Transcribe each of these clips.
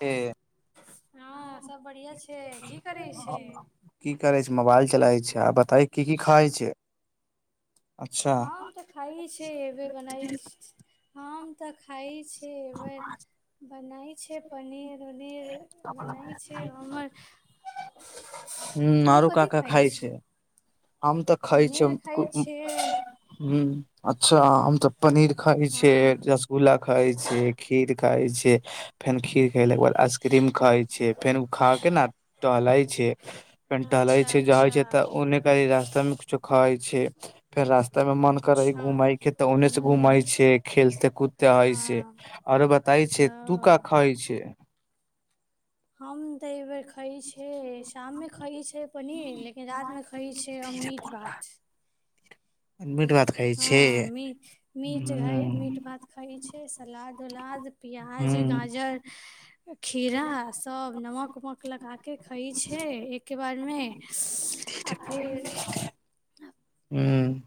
के हँ सब बढ़िया छै की करै छै की करै छै, मोबाइल चलाबै छै अहां बताए की, की खाइ छै। अच्छा हँ हम तऽ खइ छै एब बनाइ। हम तऽ खाइ छी। बनाइ छै पनीर-उनीर। बनाइ छै हमर। ह तू मरू कथी काका खाइ खाय छी छै। हम तऽ खाय छीयै पनीर खाइ छियै ह अच्छा, हम तऽ पनीर खाइ छीयै, रसगुल्ला खाइ छैय, खीर खाय छैय। फेन खीर। खेले के बाद आइस्क्रीम खाई छै, फेन उ खा के ने टहलै छै। फेर टहलै अच्छा छै जहै अच्छा छै तऽ ओन्ने कह रास्ता मे कुछो खाइ छै, फेर रास्ता मे मन करै अच्छा घूमै के तऽ ओन्ने से हूँ घूम छै खेलते कूदते है छै, हँ आरो बताई छै तू का ओ खाई छै। हम तऽ एहि बेेर खइ छी। हे शाममे खाइ छै। पनीर, लेकिन रात मे खाइ छै हम मीट भात, मीट भात खाइ छै हँ मी ह मीट भात खाइ। छै सलाद-उलाद। ह पियाज, गाजर। खीरा। नमक-उमक लगाक खाइ छै, एके बार में आ फेर। ह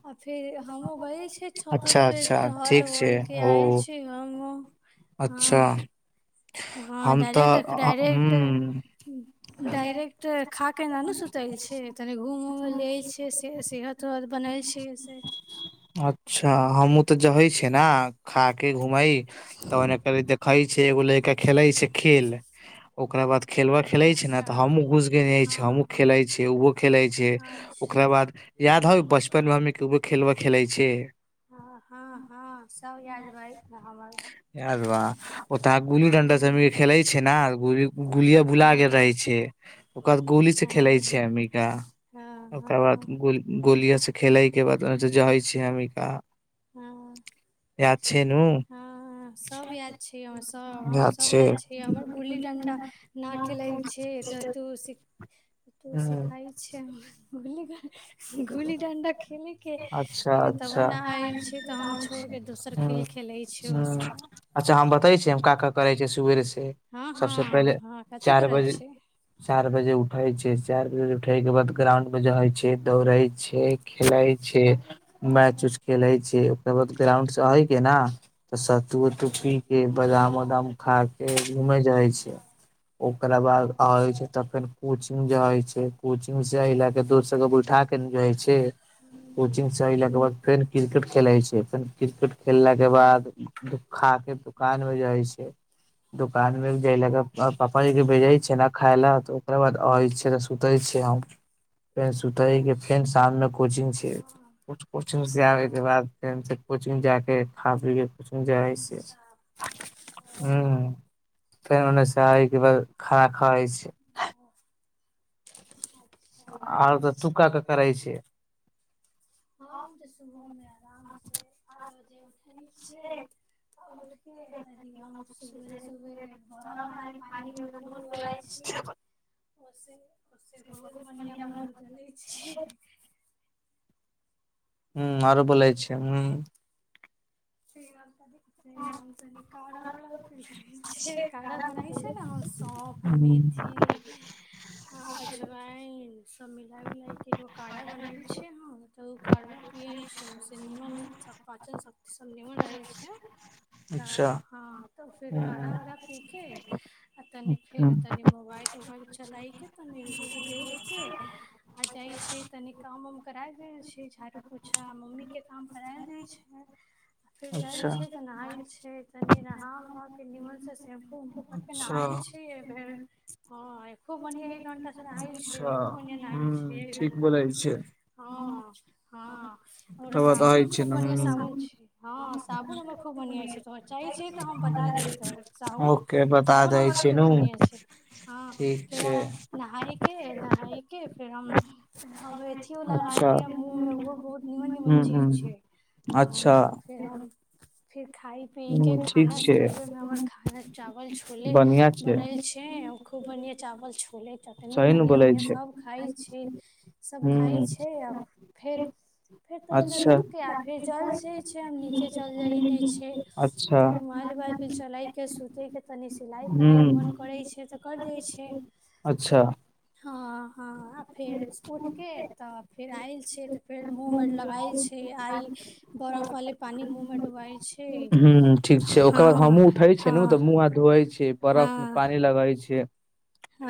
आ फेर हमो गए छी। छत-उत अच्छा पे अच्छा ठीक छै टहल-उहल के आयल ओ छी हम। अच्छा। हँ हम तऽ डायरेक्ट, डायरेक्ट, ह डायरेक्ट। खा कऽ एना ने सुतल छै, तनि घूम ल छियै से सेहत- उहत बनल छै से। अच्छा। हमूं ते जहे छ ने खा के घूमे त ओने कर देखे छी एगो लड़का खेले छै खेल, ओकरा बाद खेलबा खेले छै ने अच्छा त हमूं घुस गे छी हँ हमूं खेले छी खेले छै, ओकरा अच्छा बाद याद ह बचपन में हम खेलब। खेलै छै। हँ हँ हँ सब याद भइ हमर यार बा ओता गुल्ली डंडा से हूँ खेले छै नेल गुलिया बुला हँ गेल हँ रहे छै ओकर बाद गोली से खेले हँ छै अ्मिका हँ ओकर हँ बादो गोलिया से खेले के बाद ओ जहे छ अम्मिका। हँ। छै नु ह सब याद छै, हमर सब हमर सब याद छै, हमर गुल्ली डंडा नहि खेलै छैै तऽ तू हूं सिखाइ छै। [unintelligible] गुली डं्डा खेलके लेकिन तब ह खेल ह खेलै छै ओ सब अच्छा हम बते छी हम का का करै छ सुेरे हँ सबस हँ पहिले हँ कथी कर चार रहल बजे छी चार बजे उठै छै चार बज उठय के बाद ग्राउंड मे जाइ छै दौड़े छै खेलै छै मैच उच खेलै छै ओकर बाद ग्राउंड हय के ने तऽ सत्तू उत्तू पी के बादाम उदाम खा घूमेइ छै ओकरा बाद आ छै त फेर कोचिंग जेइ छै कोचिंग से ए ल के दोस बैठा के जाइत छै कोचिंगसँ अयलाके बाद फेर क्रिकेट खेलैत छैिय फेर क्रिकेट खेललाके बाद खा कऽ दोकानमे जाइत छै दोकानमे गेललाकेाद पापा जीके भेजैत छैिय ने खााय लए तऽ ओकरा बाद अै छियै तऽ सुतै छियै हम। फेर सुतै के फेर शाम मे कोचिंग छै कोचंग से आबे के बाद फेर कोचिंग जा के खा पी के ह। फन त क ब खाना खाा होइ छै। [inaudible] आरो ते तू का का आराम करे छै से पठ बजे उठे छ उठ के हम सुेरे सबेरे भरब आ पानिमे मुँह डोआै छी ओ बहुत बढ़िआँ मुँह जलै छी। ह आरो बोलै छै ह। से राम त राम त। काराढ़ा बला पै छै काराढ़ा बनाै छै ने हम सौप मेथी अजवइन सब मिलााय उिलइ के एगो काढ़ा बनल छै ह तऽ ओ काढ़बा पियल छै ओस नीमन सब पाचन सब रह छिय। अच्छा तऽ हँ। त फर कढ़ा हम्म उा फेर [unintelligible] आ तनी फेर तनी मोबाइल उोबाइल चलायके तनि देखिक आ जाइत छै तनी काम उम कराल जाइत छै झाड़ू पोछा मम्मीके काम करायल जाइत छै। फेर जायल अच्छा छ तऽ नहायल छ तनी नहा वहा के निीमन से शेम्पू वम्पू। िन अच्छा आयल छी एहि बेर हँ खूब मढ़ एक घंटा छैखो अच्छा आ हम्म छै एक ठीक घण्टा बोले छै ह। हँ। हमरो तब तऽह साबुनो छै खूब ने बढ़िआँ ह साबुन हँ साबुन हमर खूब बढ़आ छै। बच्चाइ छै बता दे साबुन ओके बता साबुन दै हमर छी खूब नु बढ़िया छै ह ठीक फेर छै हम नहाय के नहााय के फेर हम नबे लगा अच्छा लिय मुँह मेंहो बहुत नीमन निमन हूँ चीज हूँ छै। अच्छा। फर खाय हूँ पीके ठीक खाना छै सुबलेमे हमर खाना ल छोले बनल छै। खूब बढ़ियां चावल छोलैत चटनी सही ने धनिआँ बोलै उनिआँ छै सब खाइ छै। सब खाइ हूँ छै आ फेर अच्छा। ल से छै हम नीचे चल जाइ ने छी अच्छा तनि माल बार फिल चलाई के सूत्र ठीक छै। तनि सिलाइ कढ़ाइ मन हूँ करै छै त कर दै छै। अच्छा। हँ हँ फेर उठिक तऽ फेर आयल छ तऽ फेर मुँह अर लगल छै आइ बरफ वाले पानी मुँह मे डुबल छै। ह ठीक छै ओकर बाद हमूँ उठै हँ छियै ने हँ तऽ मुँह हाथ धोै छिय हँ बर्फ मे पानि लगै छै।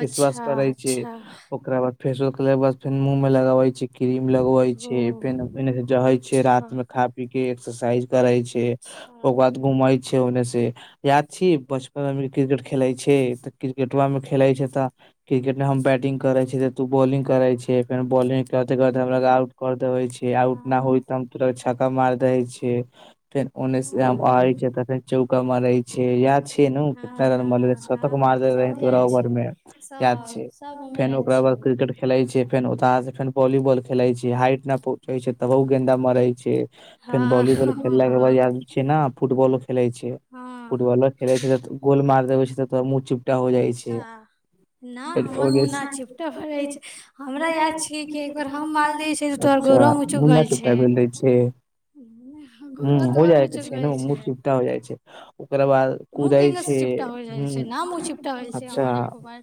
फेसवाश करै छै अच्छा ओकरा बाद फेसोे ब फे मुँह मे लगाबै छै क्रीम लगवे ओ छैेनेने जहे छै अच्छा रात में खा पी के एक्सरसाइज करे छै अच्छा ओकर बाद घूमे छै ओन्ने से याद छी बचपन मे क्रिकेट खेले छै तऽ क्रिकेटआ में खेलै छै तऽ क्रिकेटमे हम बैटिंग करै छियै त तू बॉलिंग करै छिय फेर बॉलिंगग करेे हमरा हुँ आट कर देबे छै आउट नहि होइ तऽ हम तोरा छक्का मारि दै हँ छियै। फेर उन्ने से आे छ त फेर चौका मार रहे छे यााद छैे न हँ कितना रन हँ मरेेतक मार हँ रहे सब जाइ तोरार छै मे याद सब छै सब ओमे फेर जाइ ओकरा छै बाद क्रिकेट खेले छै फेर ओत से फेर वॉलीबॉल खेले छी हाइट न पहुँच छै तब गेंन्दा मरे छै फेर हँ वॉलीबॉल हँ हँ खेल। बाद छै ने फुटबॉलो खेले छै हँ फुटबॉलो खेले छै त गोल मार देबे छै त तोरा मुह चिपटा हो जाइ छै। अच्छा नहि हमर मुन्ना चिपटय पड़ै छै हमरा याद छीिय कि एकबार हम मालदह छीिय तोहर घोरोमे चु मुन्ना छ। चिपटा भेल रहे छै ह हो जाइ छै ने चिपता हो जाइ छै। ओकरा बाद मुँह कुदै केंगा से छै चिपटा हो रहल छै ह न मुँह चिपटा होल छै अच्छा। हमर एको बार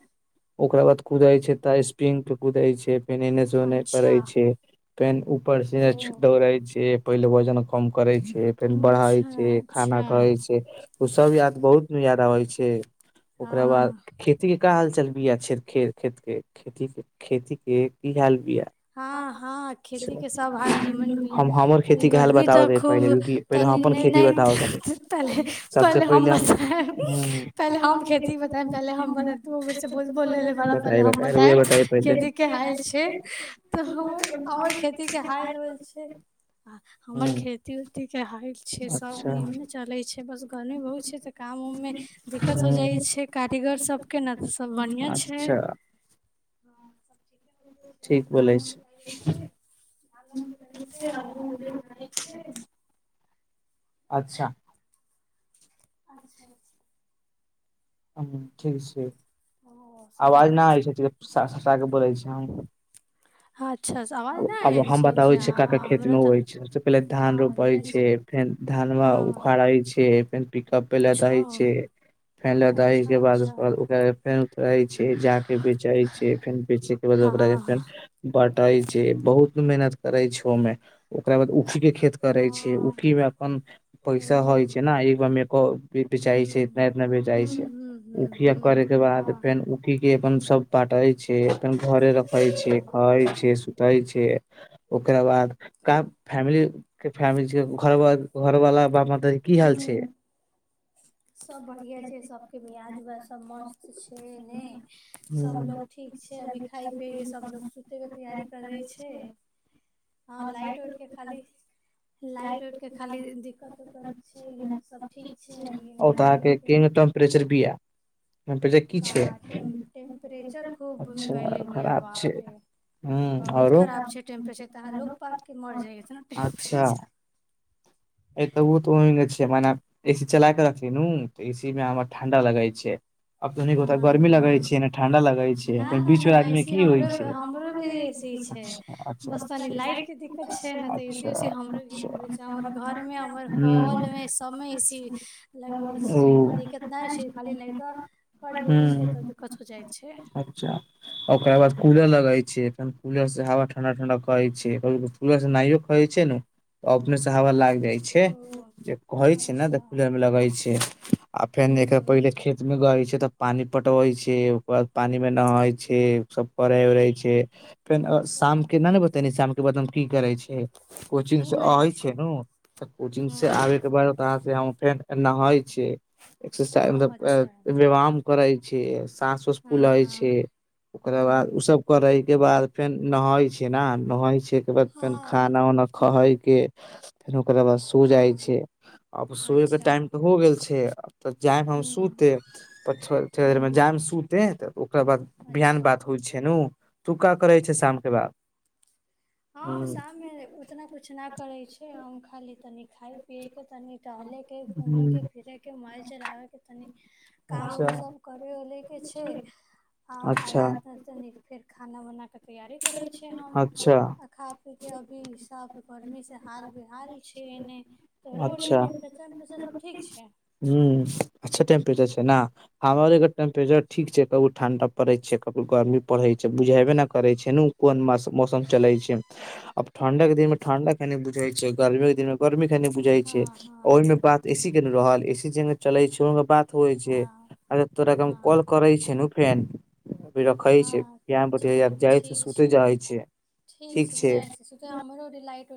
ओकरा बाद कुदाै छै तऽ स्प्रिंग पे कुदै छै। ने जो नहि अच्छा करै छी। पेनऊपर ओ छै दौड़ै छै पहिल वजन कम करै छै फेर बढ़ै अच्छा छै खाना खै अच्छा छै ओ सब याद बहुत मे याद आबै छै ओकरा बाद हँ खती क हाल चलबीय छैेर खेर खेतके खेतीे खेती। के की हाल बिया हँ हँ खेती के सब हाल निीमन हम हमर भीनी खेती के हाल गर्मी बताब तऽ खूब दे पहिले हम अपन खेती तनीे बताब तानि सबसे पहले हम बता पहिले पहिे हम खेती बताय पे हम बताब तू उमर से बहुत बोले बड़ा पे बताइ हम बताइ रउआ बतायब बताइ पहिले खेती के हाल र खेती के ह हूँ हमर खेती उ के ह सब अच्छा नमने चले छै बस की बहुत छै तऽ काम उममे दिक्कत हो हूँ जाइ छै कारीगर सबके ने तऽ सब बढ़िआँ छै। हँ अच्छा सब ठीक ह। म। ठीक बोलै छै अच्छा। अच्छा। ह ठीक छै। ओ सब आवाज नहि आबै छै क बोलै छ हम अचछा। अब हम बताबै छ क क खेत हमरा मे तऽ होइ छै सबस पहिले हँ धान रोपै बतायल छै फेर धान मे हँ उखड़ा छै फेर पे लदाई अच्छा छै फेर लदााहे अच्छा के बादाद अच्छा ओकरा के फेर उतराई छै ज के बेचे छै फेर बेचे के बाद हँ ओकरा के फेर हँ बटाई छै। बहुत मेहनत करे छै ओ मे ओकरा बाद ठी के खेत ओ करे छै ठी में अपन हुँ पैसा होय छै ने एक मे बेचई छै इतना इतना बेचई हुँ हुँ हुँ छैखिया करे के बाद हुँ फेर उखी के अपन सब बाटे छै अपन घरे रखे छै खाई छै। ओकरा बाद हँ फैमिली के फिल घरवाला बाप म दी की हाल छै। हुँ सब बढ़िया छै सबके ब्याज उवाज सब मस्त छै ने सबलोग छै। ठीक ओ छै अभी खााय पिय के सबोग सुते के तैयारी कर खाली दिक्कत। ठीक छैभा तऽ अहाँके केहन टेम्परेचर बिया टेम्परेचर की छै टेम्पेचर खूब अच्छा भेलले भै खराब छै बाप रे। हूँ बहुत आरो खराब छै टेम्परेचर तऽ अहाँ लोकोग पाक के मर जाइयना अच्छा टेम्पेर ए तऽ ओ तऽ ओहिंग छै मने एसी चला के ए रखली नू तऽ एसी हम में हमर ठंडा हमरो लगे छै भी अब तनी गोटा एसी गर्मी लगे ने छै ठंडा लगे छै बस बीच वाला आदमी की तनी होइ छै लाइट के अच्छा दिक्कत अच्छा छै तऽ एी अच्छा अच्छा हम मे हमर हूँ हॉल मे समय लग ओ छै दिक्कत नहि छै खाली लाइटो कट छै तऽ हूँ दिक्कत हो जाइ छै। अच्छा कुलर से हव ठंडा ठण्डा करै छै। नो खइ छै ने तऽ अपने से हवा ल ओ कहै छै ने देख अच्छा मे लगै छै आ फेर पले खेत मे गै छै तऽ पानी पटबै छै ओकर बाद पानी मे नहे छै सब करे उे छै फेर शाम के ने बतेाम के ब की करै छै कोचिंग से अै छै न तऽ कोचिंग से आबे के बाद ओकाँ से हम फेर नहै छ छै एक्सरसाज मलब व्यायाम करै छ साँस उस फूलै छै ओकरा बाद ओसभ करै के बाद फेर नहै छै ने नहइ छै। ओहिके बाद फेर खाना उना खइ के फेर ओकरा बाद सो जाइ हँ छै आब सोयएके अच्छा टाइम तऽ हो हूँ गेल छै तऽ जायमे हम सूते तऽ थोड़े देरमे हूँ जायमे सूते तऽ ओकरा बाद बिहान अच्छा बात होइ छै ने ुक्का करै छै शामके बाद हम ह शाममे उतना किुछु नहि करै छी। अ खाली। तनि। खाय पियए के तनि टहले के घूमे के फिरे के मल चलाबे के तनी काम अच्छा उम सब करे उले के छै अच्छा रात मे तनि फेर खाना [unintelligible] तैयारी करै छियै हम। अच्छा आ खा पी के अभी साफ गर्मेी से हाल बिहाल छै एने तोरा अच्छा टेम्पचर। ठीक छै। ह अच्छा टेम्परेचर छै ने हमरके टेम्परेचर ठीक छै कभो ठण्डा पड़ैत छै कभी गर्मी पड़ैत छै बुझेबे नहि करैत छै ने कोन मौसम चलैत छै। आब ठंडा के दिन मे ठंडा खा बुझई छै गर्मी के दिन में गर्मी खाय नहि बुझाय छै हँ हँ ओहि मे बात एसी के नहि रहल। एसी जग चले छै बात होइ छै हँ तोरा के हँ कॉल करे छै फेन रखे हँ ठीक छै ठीक सुत छै जाइ छै। ठीक छै चइ छै त तु हमर ओ,, आ।